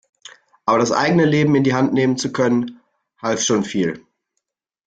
Aber das eigene Leben in die Hand nehmen zu können, half schon viel.